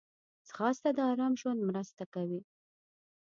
ځغاسته د آرام ژوند مرسته کوي